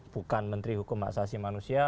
bukan menteri hukum asasi manusia